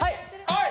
はい！